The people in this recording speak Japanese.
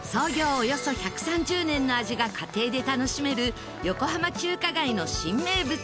およそ１３０年の味が家庭で楽しめる横浜中華街の新名物。